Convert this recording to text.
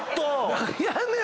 何やねん！